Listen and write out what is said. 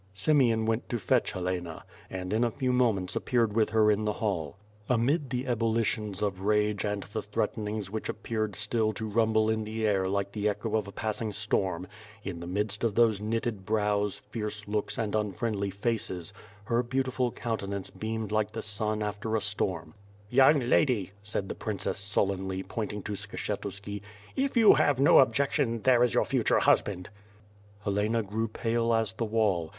Simeon went to fetch Helena, and in a few moments ap' peared with her in the hall. Amid the ebullitions of rage and the threatenings which appeared still to rumble in the air like the echo of a passing storm; in the midst of those knitted brows, fierce looks, and unfriendly faces, her beautiful countenance beamed like the sun after a storm. WITH FIRE Al^D SWOUD. 6g 'TToung lady!" said the princess sullenly, pointing to Skshetuski, "if you have no objection there is your future husband." Helena grew pale as the wall.